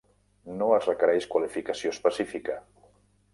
No es requereix qualificació específica.